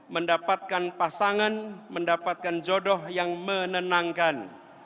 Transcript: mendapatkan pasangan mendapatkan jodoh yang menenangkan